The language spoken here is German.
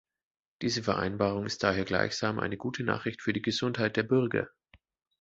Diese Vereinbarung ist daher gleichsam eine gute Nachricht für die Gesundheit der Bürger.